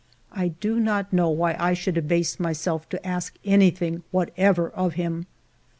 I do not know why I should abase myself to ask anything whatever of him.